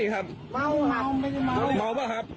พี่เขาไม่ม้าวม้าวไหมครับ